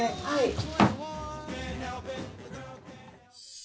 はい。